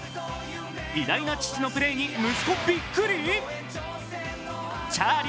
偉大な父のプレーに息子ビックリ？